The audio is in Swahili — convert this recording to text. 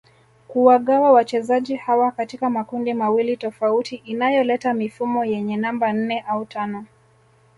kuwagawa wachezaji hawa katika makundi mawili tofauti inayoleta mifumo yenye namba nne au tano